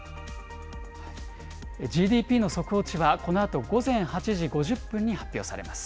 ＧＤＰの速報値は、このあと午前８時５０分に発表されます。